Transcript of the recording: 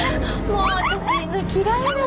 もう私犬嫌いなの。